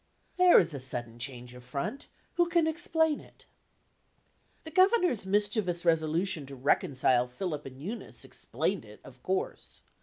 There is a sudden change of front! Who can explain it?" The Governor's mischievous resolution to reconcile Philip and Eunice explained it, of course.